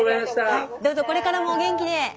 どうぞこれからもお元気で。